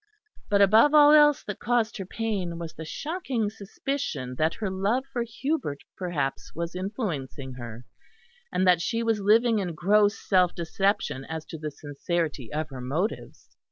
But above all else that caused her pain was the shocking suspicion that her love for Hubert perhaps was influencing her, and that she was living in gross self deception as to the sincerity of her motives.